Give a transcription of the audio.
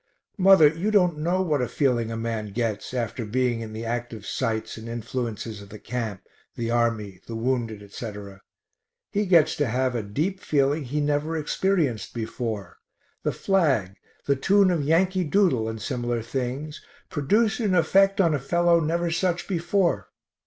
Mother, you don't know what a feeling a man gets after being in the active sights and influences of the camp, the army, the wounded, etc. He gets to have a deep feeling he never experienced before the flag, the tune of Yankee Doodle and similar things, produce an effect on a fellow never such before.